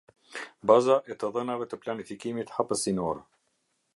Baza e të dhënave të planifikimit hapësinor.